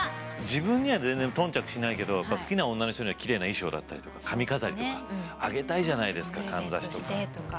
自分には全然頓着しないけどやっぱ好きな女の人にはきれいな衣装だったりとか髪飾りとかあげたいじゃないですかかんざしとか。